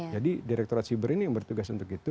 jadi direktorat siber ini yang bertugas untuk itu